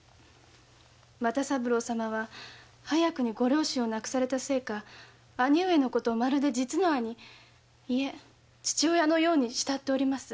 又三郎様は早くに御両親を亡くされたせいか兄上のことをまるで実の兄いえ父親のように慕っております。